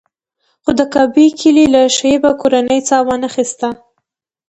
خو د کعبې کیلي له شیبه کورنۍ چا وانخیسته.